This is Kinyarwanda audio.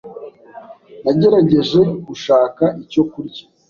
Nagerageje gushaka icyo kurya.